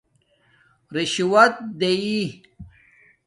رشݸت دیئئ